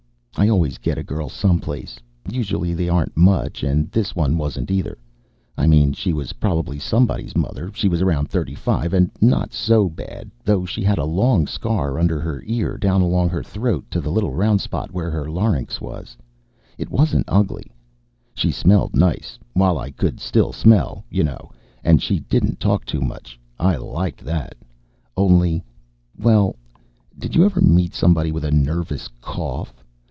I always get a girl someplace. Usually they aren't much and this one wasn't either. I mean she was probably somebody's mother. She was around thirty five and not so bad, though she had a long scar under her ear down along her throat to the little round spot where her larynx was. It wasn't ugly. She smelled nice while I could still smell, you know and she didn't talk much. I liked that. Only Well, did you ever meet somebody with a nervous cough?